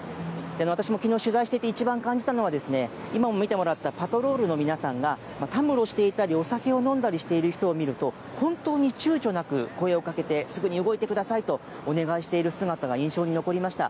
私もきのう取材してていちばん感じたのは、今も見てもらったパトロールの皆さんがたむろしていたり、お酒を飲んでいたりする人を見ると、本当にちゅうちょなく声をかけて、すぐに動いてくださいとお願いしている姿が印象に残りました。